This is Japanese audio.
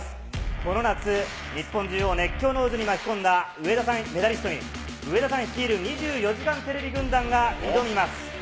この夏、日本中を熱狂の渦に巻き込んだ、メダリストに、上田さん率いる２４時間テレビ軍団が挑みます。